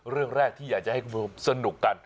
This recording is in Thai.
เรื่องแรกที่อยากจะให้คุณผู้ชมสนุกกัน